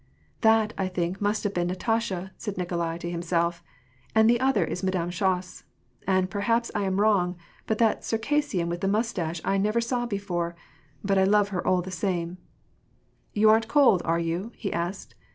" That, I think, must have been Natasha," said Nikolai to himself, "and that other is Madame Schoss; and, perhaps I am wrong, but that Circassian with the mustache I never saw before, but I love her all the same I " "You aren't cold, are you?" he asked.